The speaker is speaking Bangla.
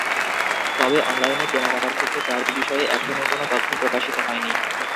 তবে অনলাইনে কেনা কাটার ক্ষেত্রে চার্জ বিষয়ে এখনও কোনো তথ্য প্রকাশিত হয়নি।